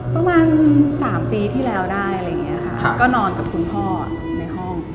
ประมาณ๓ปีที่แล้วได้อะไรอย่างนี้ค่ะก็นอนกับคุณพ่อในห้อง